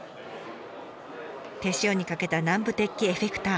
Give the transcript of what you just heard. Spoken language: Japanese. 手塩にかけた南部鉄器エフェクター。